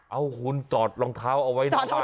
เอาคุณจอดรองเท้าเอาไว้หน้าบ้าน